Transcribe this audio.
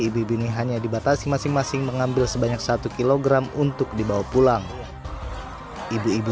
ibu ibu ini hanya dibatasi masing masing mengambil sebanyak satu kilogram untuk dibawa pulang ibu ibu